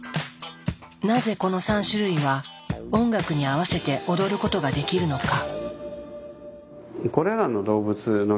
なぜこの３種類は音楽に合わせて踊ることができるのか。